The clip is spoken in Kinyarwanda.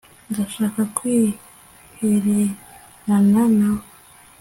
ndashaka kwihererana nawe